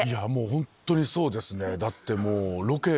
本当にそうですね。